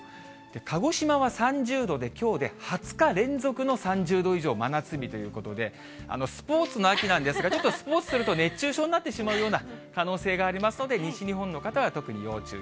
鹿児島は３０度で、きょうで２０日連続の３０度以上、真夏日ということで、スポーツの秋なんですが、ちょっとスポーツすると熱中症になってしまうような可能性がありますので、西日本の方は特に要注意。